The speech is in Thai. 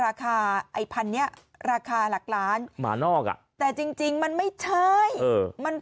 โอ้ยโอ้ยโอ้ยโอ้ยโอ้ยโอ้ยโอ้ยโอ้ยโอ้ย